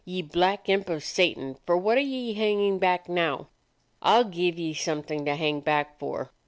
Ye black imp of Satan, for what are ye hangin' back now? I 'll give ye something to hang back for!"